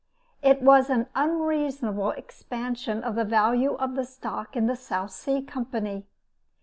It was an unreasonable expansion of the value of the stock of the "South Sea Company."